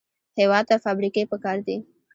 هېواد ته فابریکې پکار دي